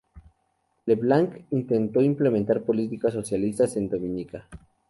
LeBlanc intentó implementar políticas socialistas en Dominica.